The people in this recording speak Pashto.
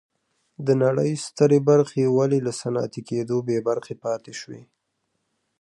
د نړۍ سترې برخې ولې له صنعتي کېدو بې برخې پاتې شوې.